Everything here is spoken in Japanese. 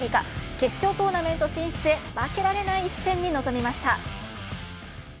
決勝トーナメント進出へ負けられない一戦に臨みました。